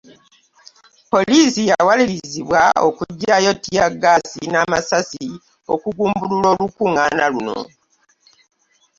Poliisi yawaliribwa okuggyayo ttiyaggaasi n’amasasi okugumbulula olukuŋŋaana luno.